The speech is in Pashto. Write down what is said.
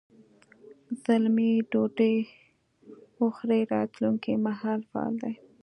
زلمی ډوډۍ وخوري راتلونکي مهال فعل دی.